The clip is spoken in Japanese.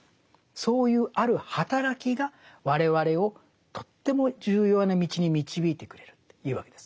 そういうあるはたらきが我々をとっても重要な道に導いてくれるというわけです。